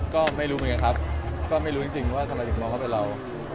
ก็ไม่รู้ไหมครับก็ไม่รู้จริงว่าทำไมมองเขาเป็นเรา